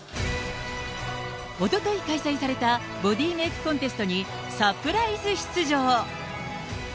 おととい開催されたボディメイクコンテストにサプライズ出場。